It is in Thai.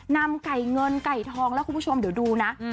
นำไก่เงินไก่ทองแล้วคุณผู้ชมเดี๋ยวดูนะ